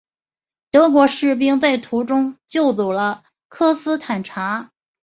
德军士兵在途中救走了科斯坦察。